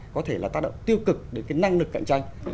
có thể là tác động tiêu cực đến cái năng lực cạnh tranh